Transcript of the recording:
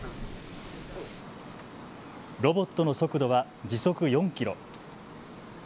ロボットの速度は時速４キロ。